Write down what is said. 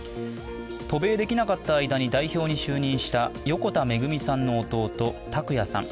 渡米できなかった間に代表に就任した横田めぐみさんの弟、拓也さん